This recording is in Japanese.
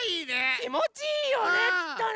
きもちいいよねきっとね。